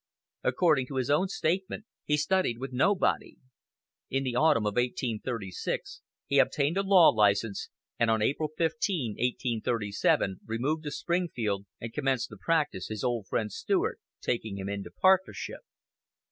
According to his own statement, "he studied with nobody. ... In the autumn of 1836 he obtained a law license, and on April 15, 1837, removed to Springfield and commenced the practice, his old friend Stuart taking him into partnership."